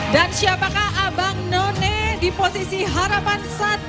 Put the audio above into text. dan siapakah abang nona di posisi harapan satu